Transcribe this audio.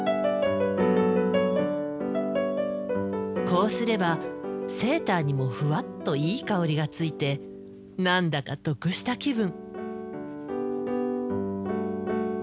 こうすればセーターにもフワッといい香りがついて何だか得した気分。